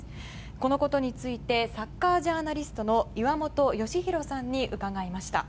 このことについてサッカージャーナリストの岩本義弘さんに伺いました。